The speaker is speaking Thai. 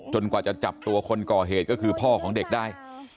กว่าจะจับตัวคนก่อเหตุก็คือพ่อของเด็กได้